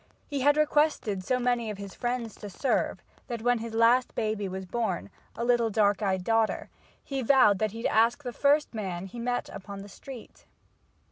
He had requested so many of his friends to serve, that when his last baby was born, a little dark eyed daughter, he vowed that he'd ask the first man he met upon the street.